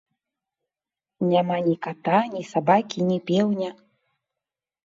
Няма ні ката, ні сабакі, ні пеўня.